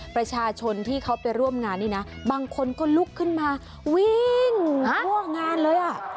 ประชาชนที่เขาไปร่วมงานนี่นะบางคนก็ลุกขึ้นมาวิ่งทั่วงานเลยอ่ะ